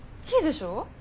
いいでしょ？